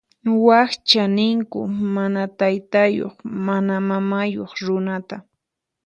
Wakcha ninku mana taytayuq mana mamayuq runata.